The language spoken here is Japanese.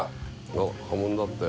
あっ破門だって。